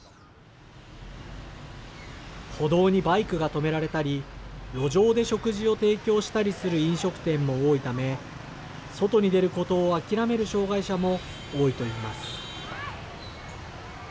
歩道にバイクが止められたり路上で食事を提供したりする飲食店も多いため外に出ることを諦める障害者も多いと言います。